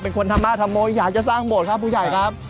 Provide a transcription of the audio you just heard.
เป็นคนธรรมะธรรโมอยากจะสร้างโบสถ์ครับผู้ใหญ่ครับ